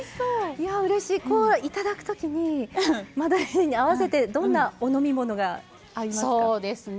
いただくときにマドレーヌに合わせてどんなお飲み物が合いますか。